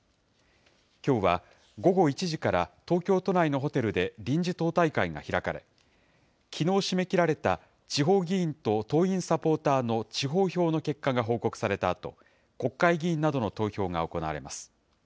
きょうは午後１時から、東京都内のホテルで、臨時党大会が開かれ、きのう締め切られた地方議員と党員・サポーターの地方票の結果が報告されたあと、国会議員などの投票が行われます。